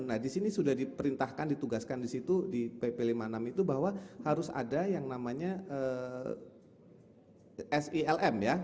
nah disini sudah diperintahkan ditugaskan disitu di pp lima puluh enam itu bahwa harus ada yang namanya silm ya